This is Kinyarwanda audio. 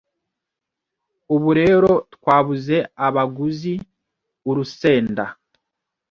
Ubu rero twabuze abaguzi urusenda